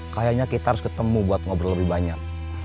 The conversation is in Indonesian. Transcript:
kayaknya kita harus ketemu buat ngobrol lebih banyak